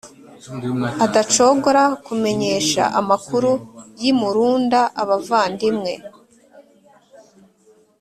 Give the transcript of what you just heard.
adacogora kumenyesha amakuru y’i murunda abavandimwe,